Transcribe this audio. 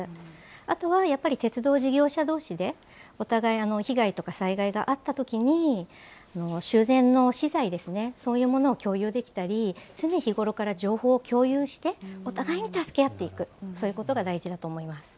あとはやっぱり鉄道事業者どうしでお互い被害とか災害があったときに、修繕の資材ですね、そういうものを共有できたり、常日頃から情報を共有して、お互いに助け合っていく、そういうことが大事だと思います。